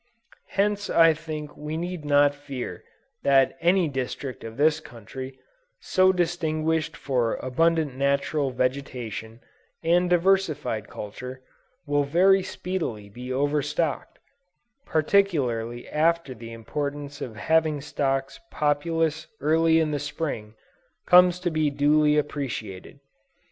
Hence I think we need not fear that any district of this country, so distinguished for abundant natural vegetation and diversified culture, will very speedily be overstocked, particularly after the importance of having stocks populous early in the Spring, comes to be duly appreciated.